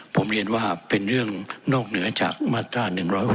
ผมเรียนว่าเป็นเรื่องนอกเหนือจากมาตรา๑๖๐